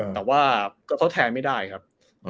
แต่ว่าก็ทดแทนไม่ได้ครับ